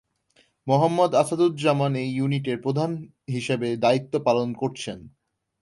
Mohammad Asaduzzaman A ইউনিটের প্রধান হিসেবে দায়িত্ব পালন করছেন।